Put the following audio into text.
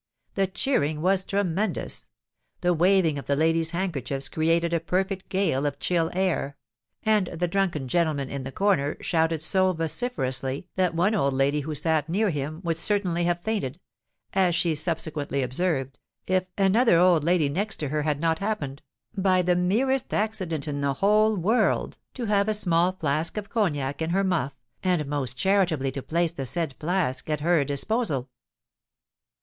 The cheering was tremendous—the waving of the ladies' handkerchiefs created a perfect gale of chill air—and the drunken gentleman in the corner shouted so vociferously that one old lady who sate near him would certainly have fainted (as she subsequently observed) if another old lady next to her had not happened, "by the merest accident in the whole world," to have a small flask of cognac in her muff, and most charitably to place the said flask at her disposal.